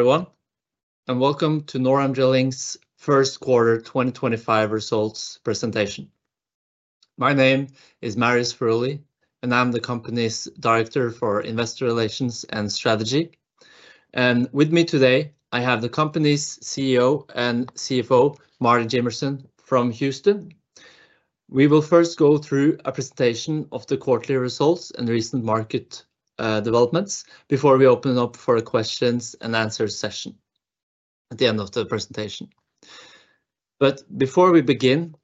Hello, everyone, and welcome to NorAm Drilling's First Quarter 2025 Results Presentation. My name is Marius Furuly, and I'm the company's Director for Investor Relations and Strategy. With me today, I have the company's CEO and CFO, Marty Jimmerson, from Houston. We will first go through a presentation of the quarterly results and recent market developments before we open up for a questions and answers session at the end of the presentation. Before we begin,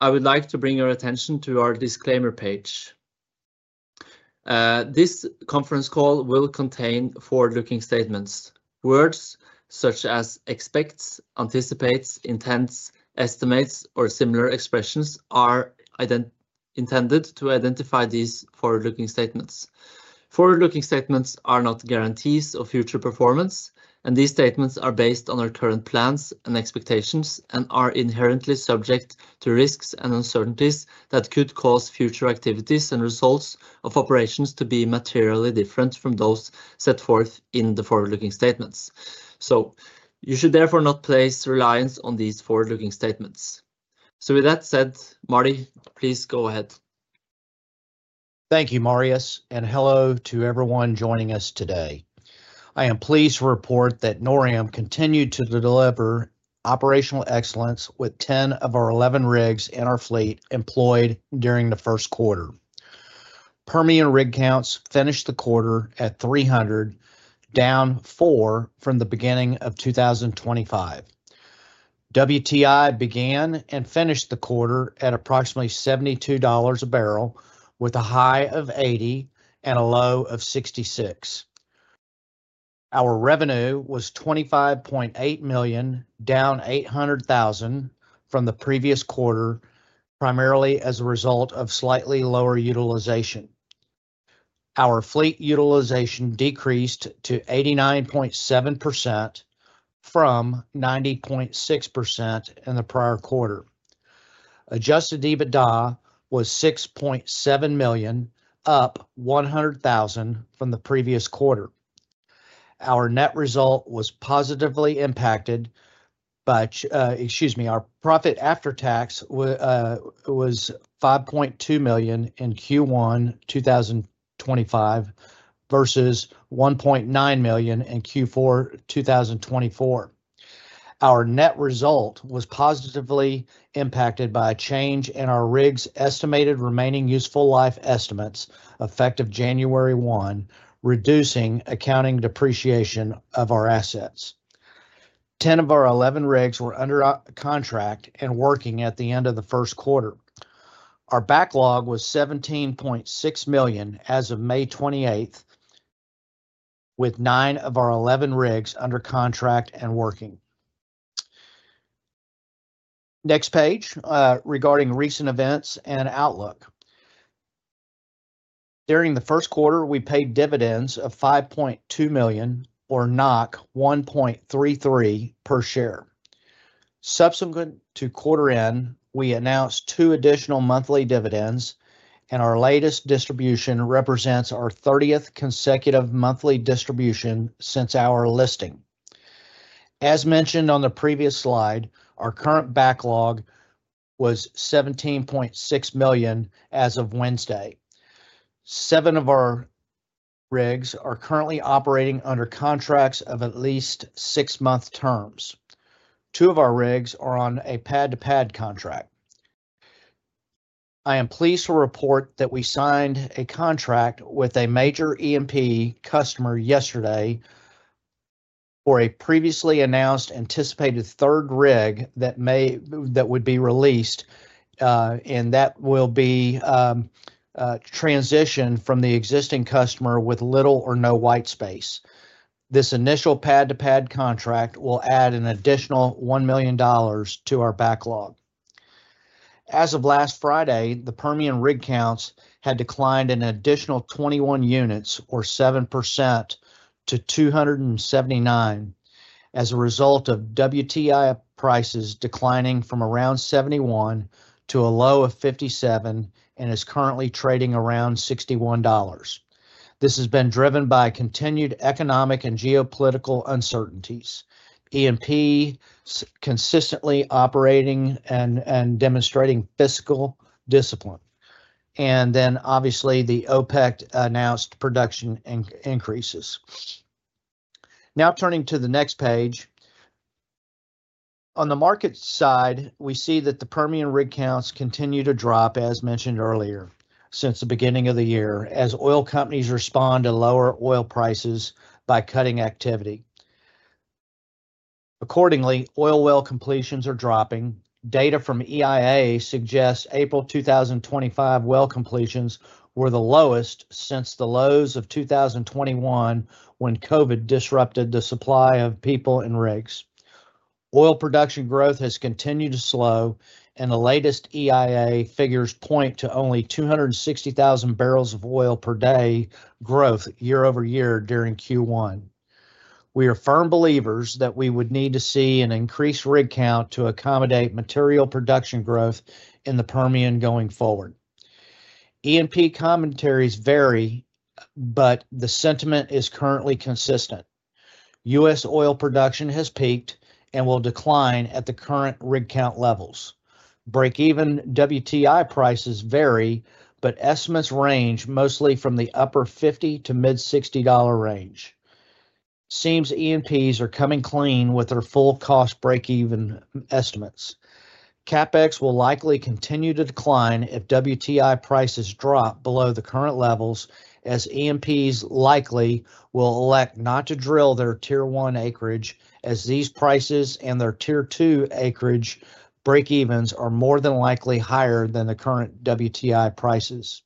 I would like to bring your attention to our disclaimer page. This conference call will contain forward-looking statements. Words such as expects, anticipates, intends, estimates, or similar expressions are intended to identify these forward-looking statements. Forward-looking statements are not guarantees of future performance, and these statements are based on our current plans and expectations and are inherently subject to risks and uncertainties that could cause future activities and results of operations to be materially different from those set forth in the forward-looking statements. You should therefore not place reliance on these forward-looking statements. With that said, Marty, please go ahead. Thank you, Marius, and hello to everyone joining us today. I am pleased to report that NorAm continued to deliver operational excellence with 10 of our 11 rigs in our fleet employed during the first quarter. Permian rig counts finished the quarter at 300, down 4 from the beginning of 2025. WTI began and finished the quarter at approximately $72 a barrel, with a high of $80 and a low of $66. Our revenue was $25.8 million, down $800,000 from the previous quarter, primarily as a result of slightly lower utilization. Our fleet utilization decreased to 89.7% from 90.6% in the prior quarter. Adjusted EBITDA was $6.7 million, up $100,000 from the previous quarter. Our net result was positively impacted by, excuse me, our profit after tax was $5.2 million in Q1 2025 versus $1.9 million in Q4 2024. Our net result was positively impacted by a change in our rigs' estimated remaining useful life estimates effective January 1, reducing accounting depreciation of our assets. Ten of our eleven rigs were under contract and working at the end of the first quarter. Our backlog was $17.6 million as of May 28, with nine of our eleven rigs under contract and working. Next page, regarding recent events and outlook. During the first quarter, we paid dividends of $5.2 million, or 1.33 per share. Subsequent to quarter end, we announced two additional monthly dividends, and our latest distribution represents our 30th consecutive monthly distribution since our listing. As mentioned on the previous slide, our current backlog was $17.6 million as of Wednesday. Seven of our rigs are currently operating under contracts of at least six-month terms. Two of our rigs are on a pad-to-pad contract. I am pleased to report that we signed a contract with a major E&P customer yesterday for a previously announced anticipated third rig that would be released, and that will be transitioned from the existing customer with little or no white space. This initial pad-to-pad contract will add an additional $1 million to our backlog. As of last Friday, the Permian rig counts had declined an additional 21 units, or 7%, to 279, as a result of WTI prices declining from around $71 to a low of $57 and is currently trading around $61. This has been driven by continued economic and geopolitical uncertainties, E&P consistently operating and demonstrating fiscal discipline, and then, obviously, the OPEC announced production increases. Now turning to the next page. On the market side, we see that the Permian rig counts continue to drop, as mentioned earlier, since the beginning of the year, as oil companies respond to lower oil prices by cutting activity. Accordingly, oil well completions are dropping. Data from EIA suggests April 2025 well completions were the lowest since the lows of 2021 when COVID disrupted the supply of people and rigs. Oil production growth has continued to slow, and the latest EIA figures point to only 260,000 barrels of oil per day growth year-over-year during Q1. We are firm believers that we would need to see an increased rig count to accommodate material production growth in the Permian going forward. E&P commentaries vary, but the sentiment is currently consistent. U.S. oil production has peaked and will decline at the current rig count levels. Break-even WTI prices vary, but estimates range mostly from the upper $50 to mid-$60 range. Seems EMPs are coming clean with their full cost break-even estimates. CapEx will likely continue to decline if WTI prices drop below the current levels, as EMPs likely will elect not to drill their tier one acreage, as these prices and their tier two acreage break-evens are more than likely higher than the current WTI prices.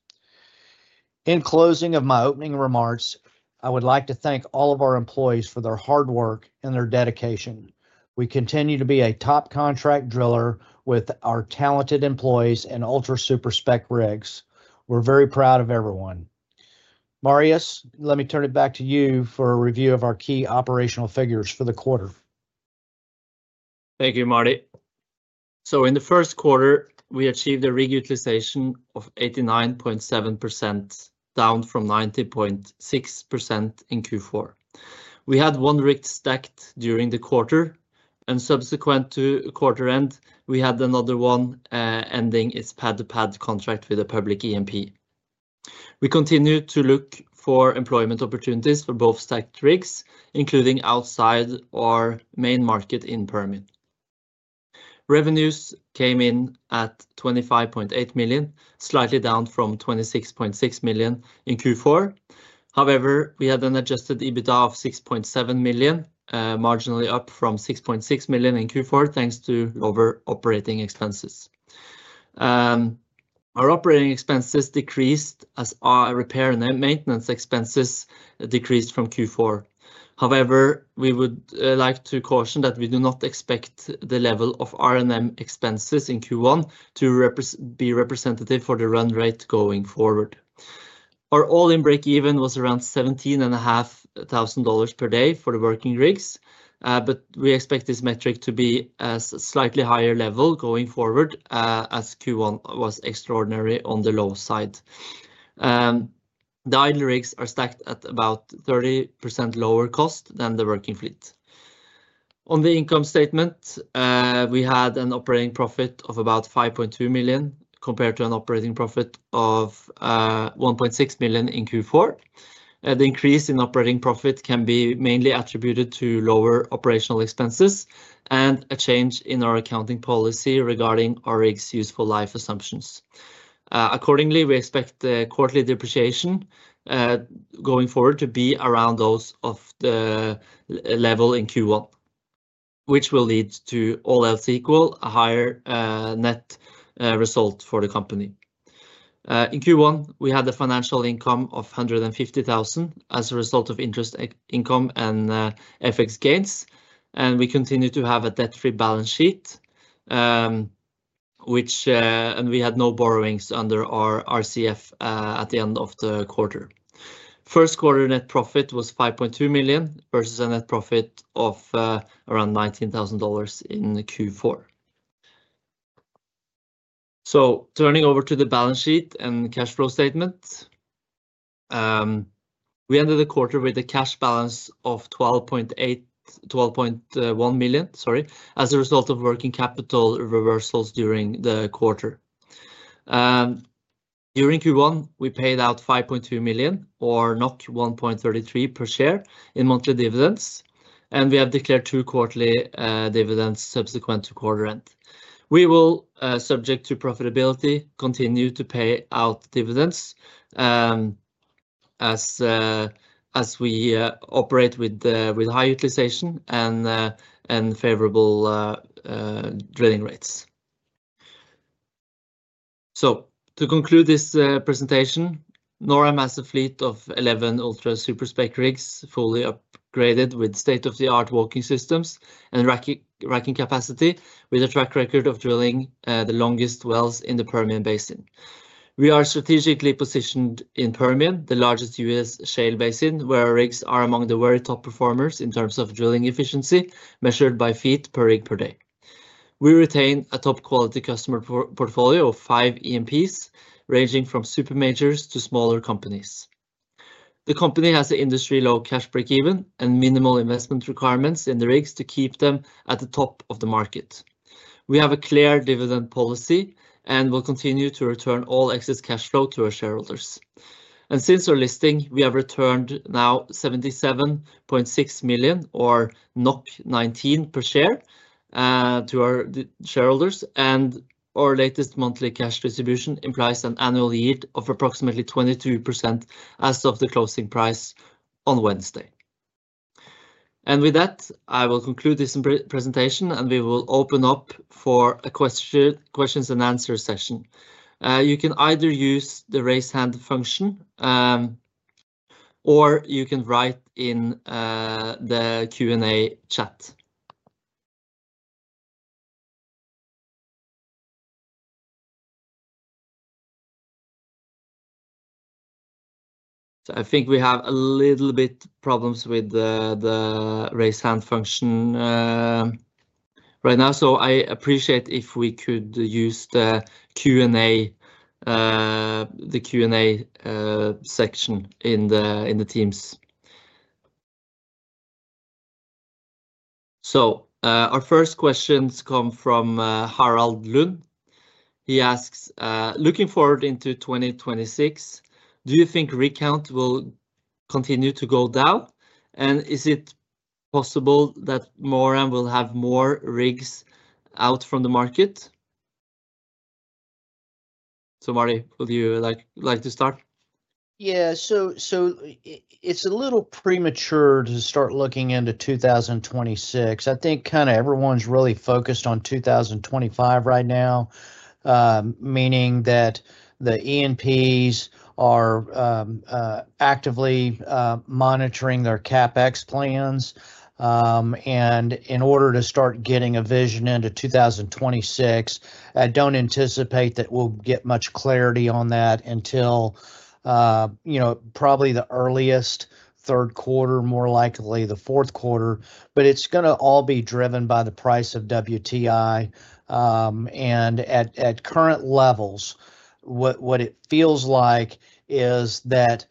In closing of my opening remarks, I would like to thank all of our employees for their hard work and their dedication. We continue to be a top contract driller with our talented employees and Ultra Super Spec rigs. We're very proud of everyone. Marius, let me turn it back to you for a review of our key operational figures for the quarter. Thank you, Marty. In the first quarter, we achieved a rig utilization of 89.7%, down from 90.6% in Q4. We had one rig stacked during the quarter, and subsequent to quarter-end, we had another one ending its pad-to-pad contract with a public E&P. We continue to look for employment opportunities for both stacked rigs, including outside our main market in the Permian. Revenues came in at $25.8 million, slightly down from $26.6 million in Q4. However, we had an adjusted EBITDA of $6.7 million, marginally up from $6.6 million in Q4, thanks to lower operating expenses. Our operating expenses decreased as our repair and maintenance expenses decreased from Q4. However, we would like to caution that we do not expect the level of R&M expenses in Q1 to be representative for the run rate going forward. Our all-in break-even was around $17,500 per day for the working rigs, but we expect this metric to be at a slightly higher level going forward as Q1 was extraordinary on the low side. The idle rigs are stacked at about 30% lower cost than the working fleet. On the income statement, we had an operating profit of about $5.2 million compared to an operating profit of $1.6 million in Q4. The increase in operating profit can be mainly attributed to lower operational expenses and a change in our accounting policy regarding our rigs' useful life assumptions. Accordingly, we expect the quarterly depreciation going forward to be around those of the level in Q1, which will lead to all else equal, a higher net result for the company. In Q1, we had a financial income of $150,000 as a result of interest income and FX gains, and we continue to have a debt-free balance sheet, and we had no borrowings under our RCF at the end of the quarter. First quarter net profit was $5.2 million versus a net profit of around $19,000 in Q4. Turning over to the balance sheet and cash flow statement, we ended the quarter with a cash balance of $12.1 million, sorry, as a result of working capital reversals during the quarter. During Q1, we paid out $5.2 million, or 1.33 per share in monthly dividends, and we have declared two quarterly dividends subsequent to quarter-end. We will, subject to profitability, continue to pay out dividends as we operate with high utilization and favorable drilling rates. To conclude this presentation, NorAm has a fleet of 11 Ultra Super Spec rigs fully upgraded with state-of-the-art walking systems and racking capacity, with a track record of drilling the longest wells in the Permian Basin. We are strategically positioned in the Permian, the largest U.S. shale basin, where our rigs are among the very top performers in terms of drilling efficiency, measured by feet per rig per day. We retain a top-quality customer portfolio of five E&Ps, ranging from super majors to smaller companies. The company has an industry-low cash break-even and minimal investment requirements in the rigs to keep them at the top of the market. We have a clear dividend policy and will continue to return all excess cash flow to our shareholders. Since our listing, we have returned now $77.6 million, or 19 per share, to our shareholders, and our latest monthly cash distribution implies an annual yield of approximately 22% as of the closing price on Wednesday. With that, I will conclude this presentation, and we will open up for a questions and answers session. You can either use the raise hand function, or you can write in the Q&A chat. I think we have a little bit of problems with the raise hand function right now, so I appreciate if we could use the Q&A section in Teams. Our first questions come from Harald Lund. He asks, "Looking forward into 2026, do you think rig count will continue to go down, and is it possible that NorAm will have more rigs out from the market?" Marty, would you like to start? Yeah, so it's a little premature to start looking into 2026. I think kind of everyone's really focused on 2025 right now, meaning that the EMPs are actively monitoring their CapEx plans. In order to start getting a vision into 2026, I don't anticipate that we'll get much clarity on that until probably the earliest third quarter, more likely the fourth quarter, but it's going to all be driven by the price of WTI. At current levels, what it feels like is that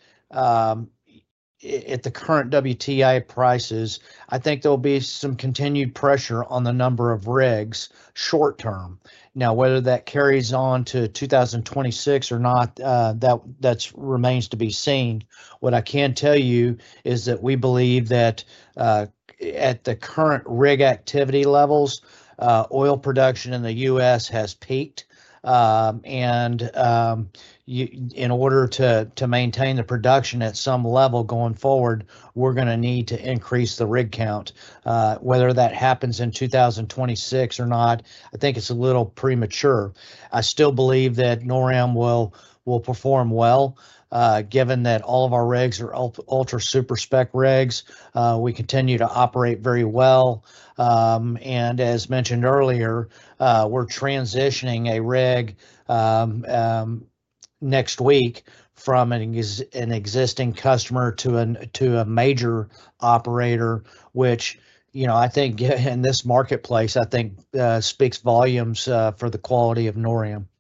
at the current WTI prices, I think there'll be some continued pressure on the number of rigs short-term. Now, whether that carries on to 2026 or not, that remains to be seen. What I can tell you is that we believe that at the current rig activity levels, oil production in the U.S. has peaked, and in order to maintain the production at some level going forward, we're going to need to increase the rig count. Whether that happens in 2026 or not, I think it's a little premature. I still believe that NorAm will perform well, given that all of our rigs are Ultra Super Spec rigs. We continue to operate very well, and as mentioned earlier, we're transitioning a rig next week from an existing customer to a major operator, which I think in this marketplace, I think speaks volumes for the quality of NorAm. I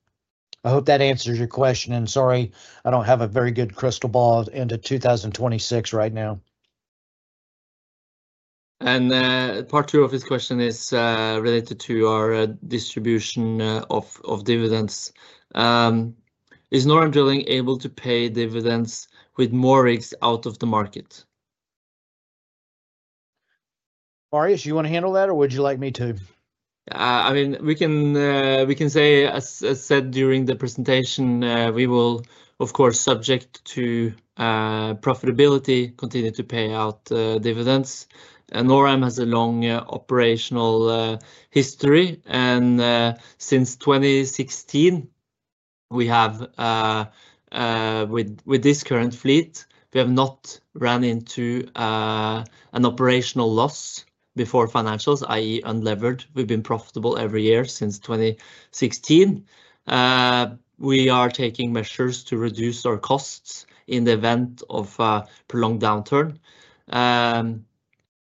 hope that answers your question, and sorry I don't have a very good crystal ball into 2026 right now. Part two of his question is related to our distribution of dividends. Is NorAm Drilling able to pay dividends with more rigs out of the market? Marius, you want to handle that, or would you like me to? I mean, we can say, as said during the presentation, we will, of course, subject to profitability, continue to pay out dividends. NorAm has a long operational history, and since 2016, we have with this current fleet, we have not run into an operational loss before financials, i.e., unlevered. We've been profitable every year since 2016. We are taking measures to reduce our costs in the event of a prolonged downturn,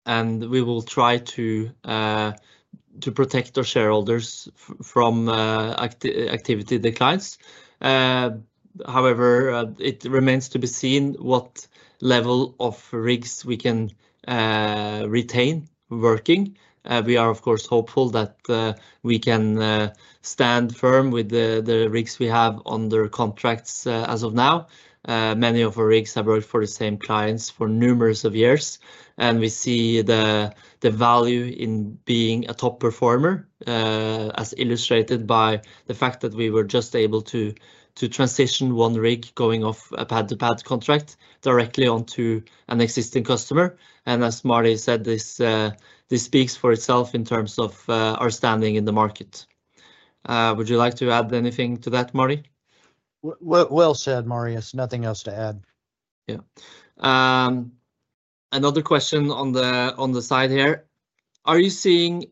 and we will try to protect our shareholders from activity declines. However, it remains to be seen what level of rigs we can retain working. We are, of course, hopeful that we can stand firm with the rigs we have under contracts as of now. Many of our rigs have worked for the same clients for numerous years, and we see the value in being a top performer, as illustrated by the fact that we were just able to transition one rig going off a pad-to-pad contract directly onto an existing customer. As Marty said, this speaks for itself in terms of our standing in the market. Would you like to add anything to that, Marty? Well said, Marius. Nothing else to add. Yeah. Another question on the side here. Are you seeing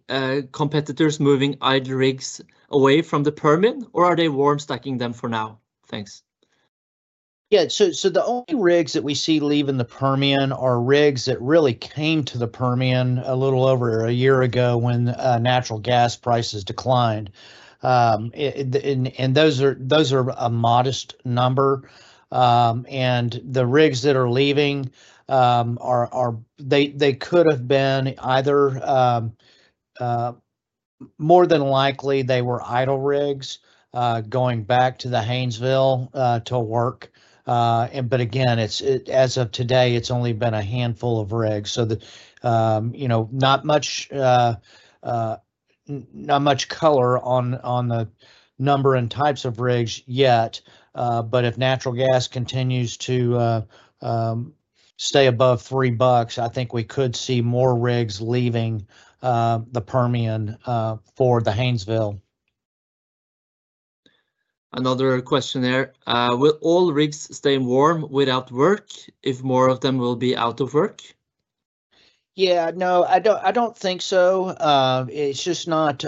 competitors moving idle rigs away from the Permian, or are they warm stacking them for now? Thanks. Yeah, so the only rigs that we see leaving the Permian are rigs that really came to the Permian a little over a year ago when natural gas prices declined. Those are a modest number. The rigs that are leaving, they could have been either, more than likely they were idle rigs going back to the Haynesville to work. Again, as of today, it's only been a handful of rigs, so not much color on the number and types of rigs yet. If natural gas continues to stay above three bucks, I think we could see more rigs leaving the Permian for the Haynesville. Another question there. Will all rigs stay warm without work if more of them will be out of work? Yeah, no, I do not think so. It is just not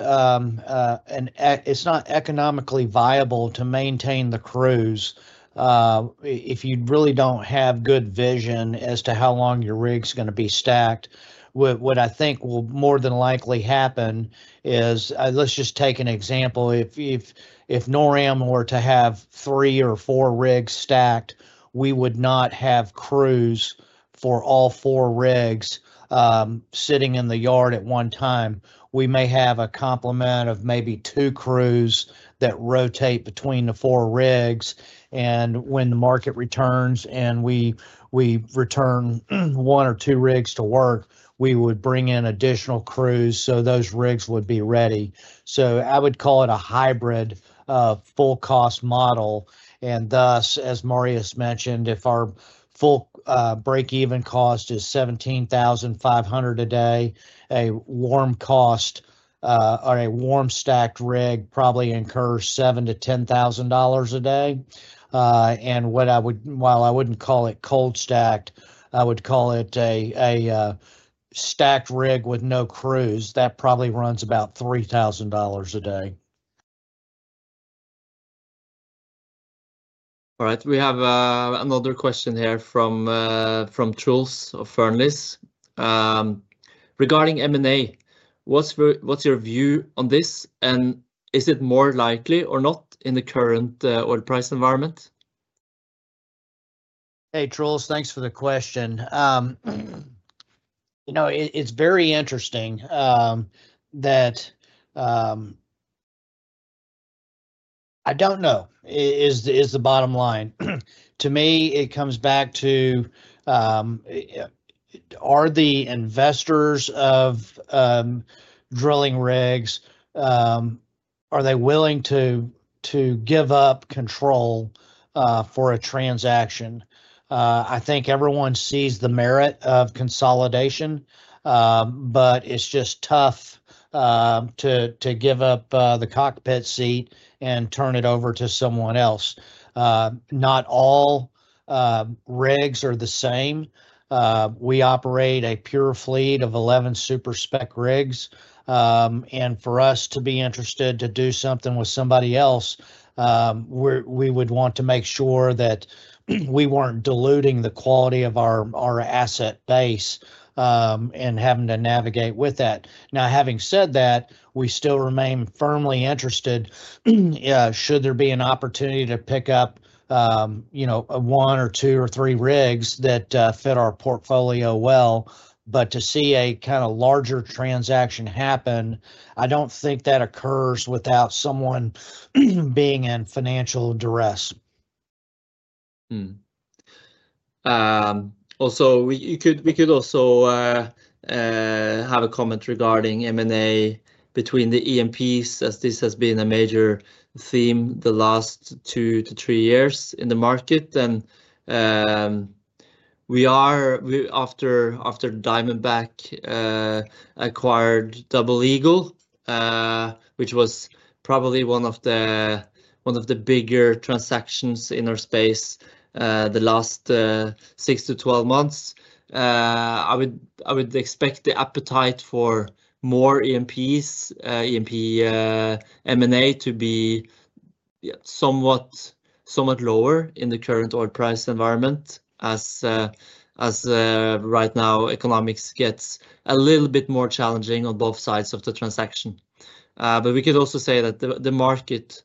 economically viable to maintain the crews if you really do not have good vision as to how long your rig is going to be stacked. What I think will more than likely happen is, let us just take an example. If NorAm were to have three or four rigs stacked, we would not have crews for all four rigs sitting in the yard at one time. We may have a complement of maybe two crews that rotate between the four rigs. When the market returns and we return one or two rigs to work, we would bring in additional crews so those rigs would be ready. I would call it a hybrid full-cost model. Thus, as Marius mentioned, if our full break-even cost is $17,500 a day, a warm cost or a warm stacked rig probably incurs $7,000-$10,000 a day. While I would not call it cold stacked, I would call it a stacked rig with no crews. That probably runs about $3,000 a day. All right. We have another question here from Truls of Fernis. Regarding M&A, what's your view on this, and is it more likely or not in the current oil price environment? Hey, Truls, thanks for the question. It's very interesting that I don't know is the bottom line. To me, it comes back to, are the investors of drilling rigs, are they willing to give up control for a transaction? I think everyone sees the merit of consolidation, but it's just tough to give up the cockpit seat and turn it over to someone else. Not all rigs are the same. We operate a pure fleet of 11 super spec rigs. For us to be interested to do something with somebody else, we would want to make sure that we weren't diluting the quality of our asset base and having to navigate with that. Now, having said that, we still remain firmly interested should there be an opportunity to pick up one or two or three rigs that fit our portfolio well. To see a kind of larger transaction happen, I don't think that occurs without someone being in financial duress. Also, we could also have a comment regarding M&A between the EMPs, as this has been a major theme the last 2-3 years in the market. We are, after Diamondback acquired Double Eagle, which was probably one of the bigger transactions in our space the last 6-12 months, I would expect the appetite for more EMPs' M&A to be somewhat lower in the current oil price environment, as right now economics gets a little bit more challenging on both sides of the transaction. We could also say that the market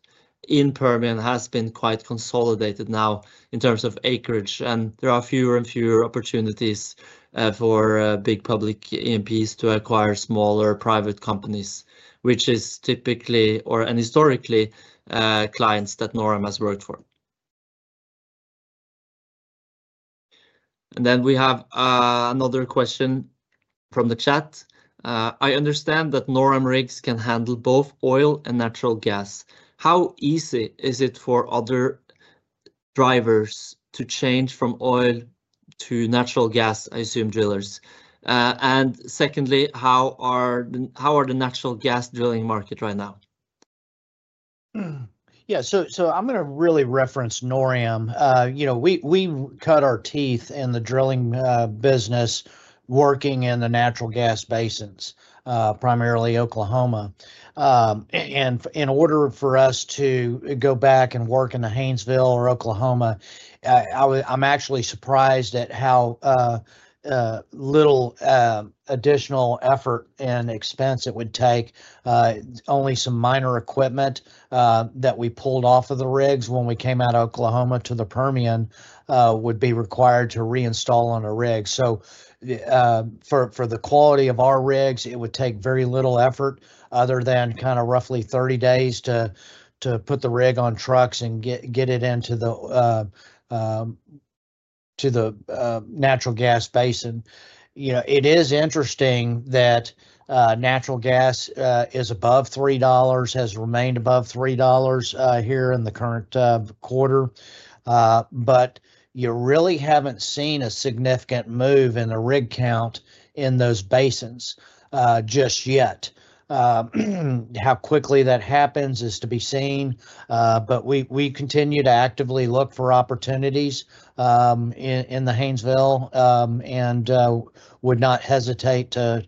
in Permian has been quite consolidated now in terms of acreage, and there are fewer and fewer opportunities for big public EMPs to acquire smaller private companies, which is typically or historically clients that NorAm has worked for. We have another question from the chat. I understand that NorAm rigs can handle both oil and natural gas. How easy is it for other drillers to change from oil to natural gas, I assume, drillers? Secondly, how are the natural gas drilling market right now? Yeah, so I'm going to really reference NorAm. We cut our teeth in the drilling business working in the natural gas basins, primarily Oklahoma. In order for us to go back and work in the Haynesville or Oklahoma, I'm actually surprised at how little additional effort and expense it would take. Only some minor equipment that we pulled off of the rigs when we came out of Oklahoma to the Permian would be required to reinstall on a rig. For the quality of our rigs, it would take very little effort other than kind of roughly 30 days to put the rig on trucks and get it into the natural gas basin. It is interesting that natural gas is above $3, has remained above $3 here in the current quarter, but you really have not seen a significant move in the rig count in those basins just yet. How quickly that happens is to be seen, but we continue to actively look for opportunities in the Haynesville and would not hesitate to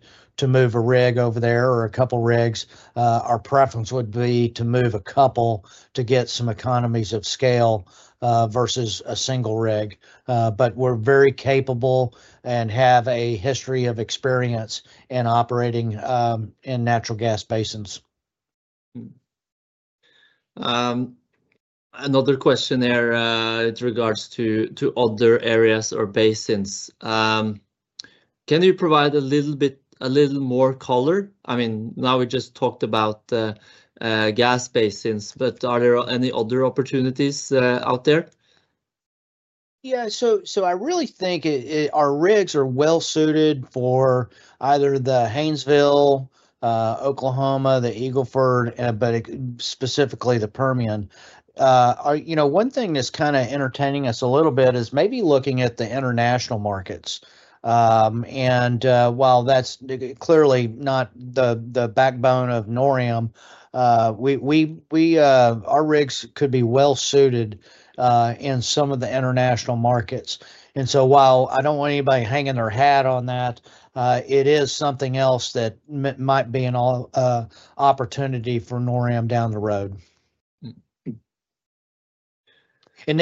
move a rig over there or a couple of rigs. Our preference would be to move a couple to get some economies of scale versus a single rig. We are very capable and have a history of experience in operating in natural gas basins. Another question there with regards to other areas or basins. Can you provide a little more color? I mean, now we just talked about gas basins, but are there any other opportunities out there? Yeah, so I really think our rigs are well-suited for either the Haynesville, Oklahoma, the Eagle Ford, but specifically the Permian. One thing that's kind of entertaining us a little bit is maybe looking at the international markets. While that's clearly not the backbone of NorAm, our rigs could be well-suited in some of the international markets. I don't want anybody hanging their hat on that, it is something else that might be an opportunity for NorAm down the road. I'm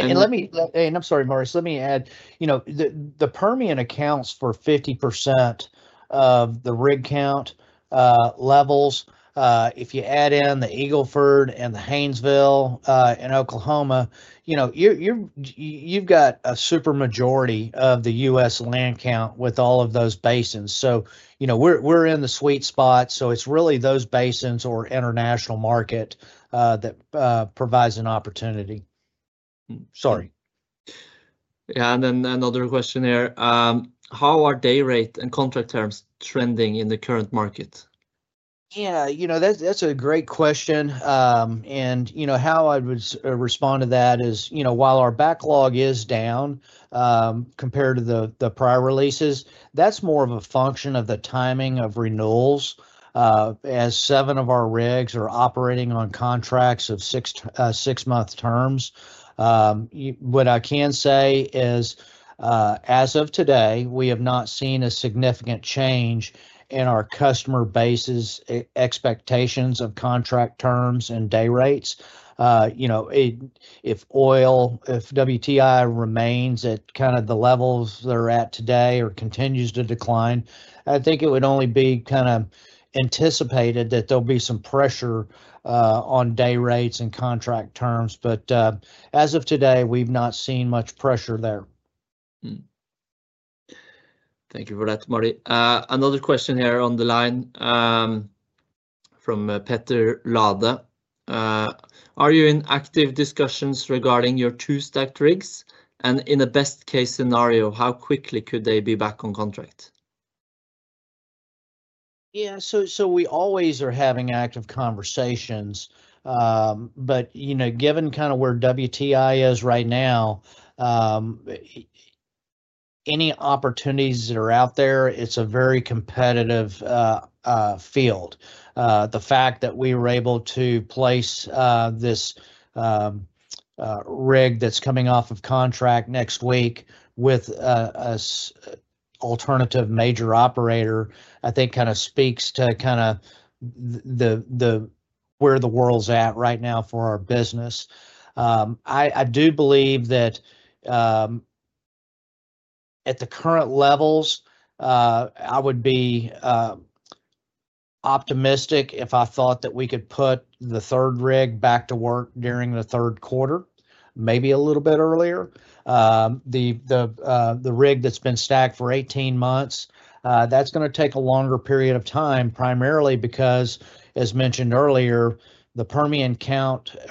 sorry, Marius, let me add, the Permian accounts for 50% of the rig count levels. If you add in the Eagle Ford and the Haynesville and Oklahoma, you've got a super majority of the U.S. land count with all of those basins. We're in the sweet spot. It's really those basins or international market that provides an opportunity. Sorry. Yeah, and then another question there. How are day rate and contract terms trending in the current market? Yeah, that's a great question. How I would respond to that is while our backlog is down compared to the prior releases, that's more of a function of the timing of renewals as seven of our rigs are operating on contracts of six-month terms. What I can say is, as of today, we have not seen a significant change in our customer bases' expectations of contract terms and day rates. If WTI remains at kind of the levels they're at today or continues to decline, I think it would only be kind of anticipated that there'll be some pressure on day rates and contract terms. As of today, we've not seen much pressure there. Thank you for that, Marty. Another question here on the line from Peter Lade. Are you in active discussions regarding your two stacked rigs? In a best-case scenario, how quickly could they be back on contract? Yeah, so we always are having active conversations. Given kind of where WTI is right now, any opportunities that are out there, it's a very competitive field. The fact that we were able to place this rig that's coming off of contract next week with an alternative major operator, I think kind of speaks to kind of where the world's at right now for our business. I do believe that at the current levels, I would be optimistic if I thought that we could put the third rig back to work during the third quarter, maybe a little bit earlier. The rig that's been stacked for 18 months, that's going to take a longer period of time, primarily because, as mentioned earlier, the Permian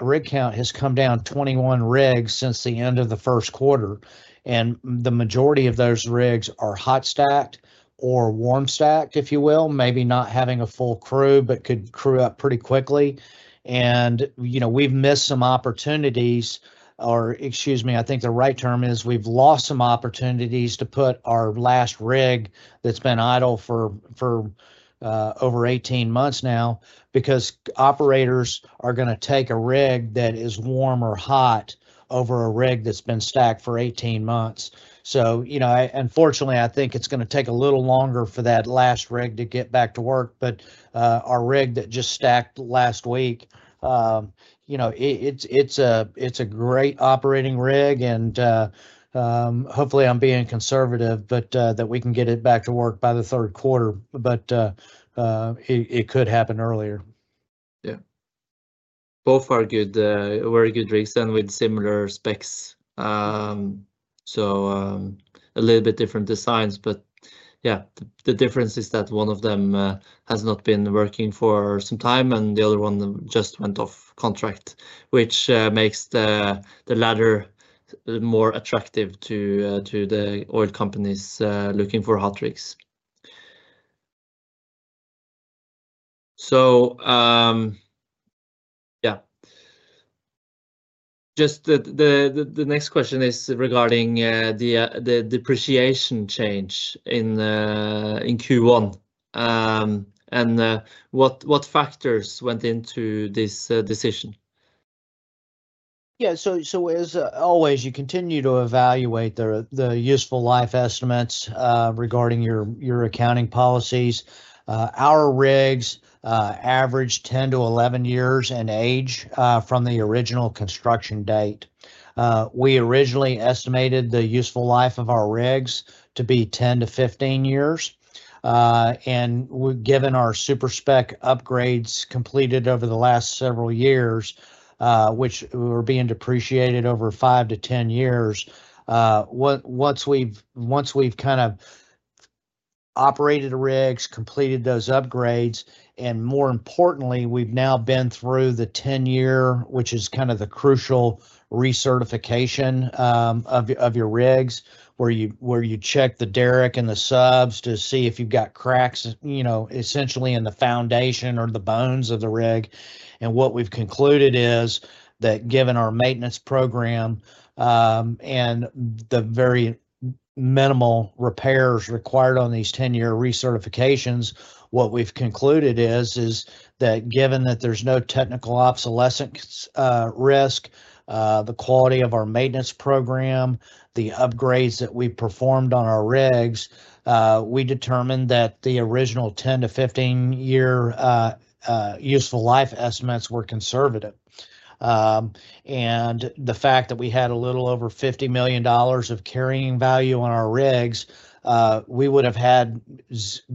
rig count has come down 21 rigs since the end of the first quarter. The majority of those rigs are hot stacked or warm stacked, if you will, maybe not having a full crew, but could crew up pretty quickly. We've missed some opportunities, or excuse me, I think the right term is we've lost some opportunities to put our last rig that's been idle for over 18 months now because operators are going to take a rig that is warm or hot over a rig that's been stacked for 18 months. Unfortunately, I think it's going to take a little longer for that last rig to get back to work. Our rig that just stacked last week, it's a great operating rig. Hopefully, I'm being conservative, but that we can get it back to work by the third quarter. It could happen earlier. Yeah. Both are very good rigs and with similar specs. A little bit different designs. Yeah, the difference is that one of them has not been working for some time, and the other one just went off contract, which makes the latter more attractive to the oil companies looking for hot rigs. Yeah. The next question is regarding the depreciation change in Q1. What factors went into this decision? Yeah, as always, you continue to evaluate the useful life estimates regarding your accounting policies. Our rigs average 10-11 years in age from the original construction date. We originally estimated the useful life of our rigs to be 10-15 years. Given our super spec upgrades completed over the last several years, which were being depreciated over 5-10 years, once we've kind of operated the rigs, completed those upgrades, and more importantly, we've now been through the 10-year, which is kind of the crucial recertification of your rigs, where you check the derrick and the subs to see if you've got cracks essentially in the foundation or the bones of the rig. What we've concluded is that given our maintenance program and the very minimal repairs required on these 10-year recertifications, what we've concluded is that given that there's no technical obsolescence risk, the quality of our maintenance program, the upgrades that we performed on our rigs, we determined that the original 10-15 year useful life estimates were conservative. The fact that we had a little over $50 million of carrying value on our rigs, we would have had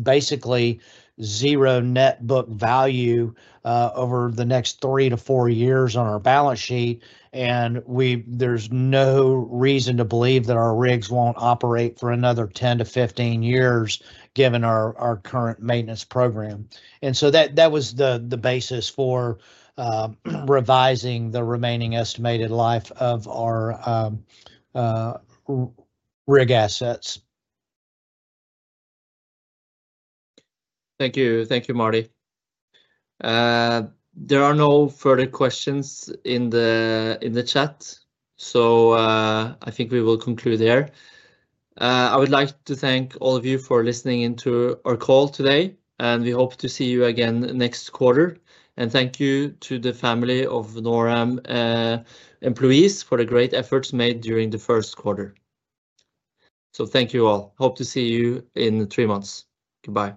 basically zero net book value over the next three to four years on our balance sheet. There is no reason to believe that our rigs will not operate for another 10-15 years given our current maintenance program. That was the basis for revising the remaining estimated life of our rig assets. Thank you. Thank you, Marty. There are no further questions in the chat. I think we will conclude there. I would like to thank all of you for listening into our call today. We hope to see you again next quarter. Thank you to the family of NorAm employees for the great efforts made during the first quarter. Thank you all. Hope to see you in three months. Goodbye.